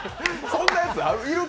そんなやついる？